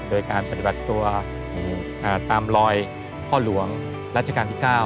โดยการปฏิบัติตัวตามรอยพ่อหลวงรัชกาลที่๙